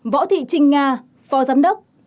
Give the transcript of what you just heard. hai võ thị trinh nga phó giám đốc